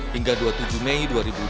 hingga dua puluh tujuh mei dua ribu dua puluh